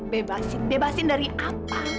bebasin bebasin dari apa